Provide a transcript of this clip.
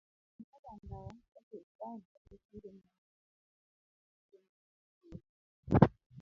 ni ogandawa ochul fain kata chudo moro amora mondo ondik kendgi piny.